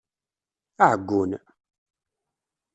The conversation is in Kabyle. Aɛeggun!